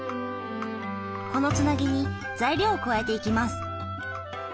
このつなぎに材料を加えていきます。